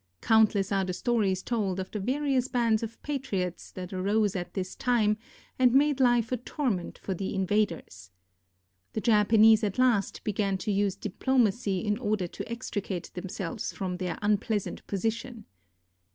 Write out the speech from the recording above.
Countless are the stories told of the various bands of patriots that arose at this time and made life a torment for the invaders. The Japanese at last began to use diplomacy in order to extricate themselves from their unpleasant position.